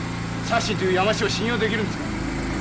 サッシンという山師を信用できるんですか？